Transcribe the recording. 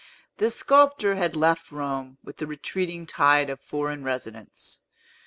The sculptor had left Rome with the retreating tide of foreign residents.